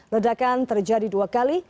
ledakan terjadi dua kali